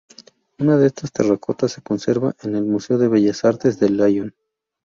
Una de estas terracotas se conserva en el Museo de Bellas Artes de Lyon.